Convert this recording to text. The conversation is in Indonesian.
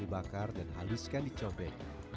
dibakar dan haluskan di cobek